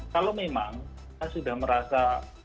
kalau memang sudah merasa